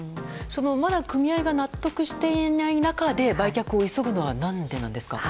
まだ組合が納得していない中で売却を急ぐのは何でなんですか？